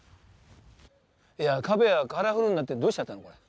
壁はカラフルになってどうしちゃったのこれ。